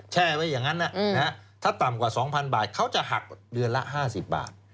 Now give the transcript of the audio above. แช่ไว้อย่างนั้นถ้าต่ำกว่า๒๐๐บาทเขาจะหักเดือนละ๕๐บาท